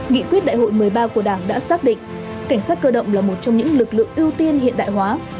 nghị quyết đại hội một mươi ba của đảng đã xác định cảnh sát cơ động là một trong những lực lượng ưu tiên hiện đại hóa